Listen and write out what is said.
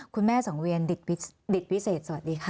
คุณแม่สังเวียนดิตวิเศษสวัสดีค่ะ